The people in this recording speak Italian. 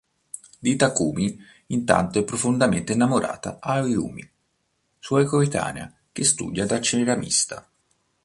Di Takumi intanto è profondamente innamorata Ayumi, sua coetanea che studia da ceramista.